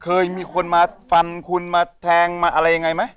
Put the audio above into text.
เคยมีคนมาฟันคุณมาแทงมาอะไรยังไงไหม